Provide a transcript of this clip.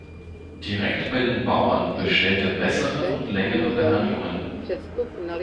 Direkt bei den Bauern bestellt er bessere und längere Behandlungen.